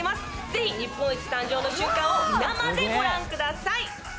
ぜひ日本一誕生の瞬間を生でご覧ください。